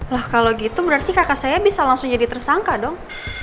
lah kalau gitu berarti kakak saya bisa langsung jadi tersangka dong